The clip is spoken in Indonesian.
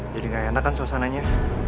jadi gak enak kan suasananya